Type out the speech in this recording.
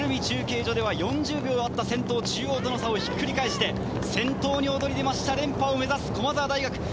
中継所では４０秒あった先頭中央との差をひっくり返して先頭に躍り出ました連覇を目指す駒澤大学。